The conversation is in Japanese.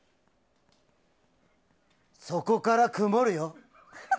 そこから曇るよ。